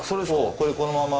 これこのまま。